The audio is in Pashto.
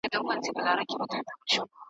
څو مره کاڼي دي اور یږي ستا د کوره.